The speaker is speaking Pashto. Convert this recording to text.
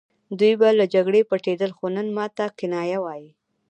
دوی به له جګړې پټېدل خو نن ماته کنایه وايي